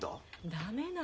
駄目なのよ。